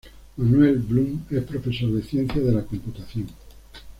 Manuel Blum es profesor de Ciencias de la Computación.